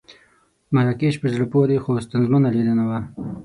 مراکش په زړه پورې خو ستونزمنه لیدنه وه.